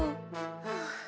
はあ。